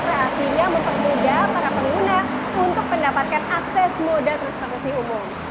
akhirnya mempermudah para pengguna untuk mendapatkan akses moda transportasi umum